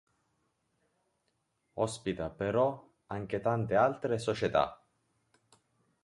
Ospita però anche tante altre società.